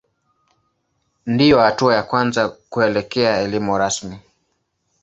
Ndiyo hatua ya kwanza kuelekea elimu rasmi.